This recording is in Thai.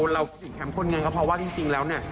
เราสนิงแคมป์คนใหญ่กราบราวะที่สิ้นแล้ว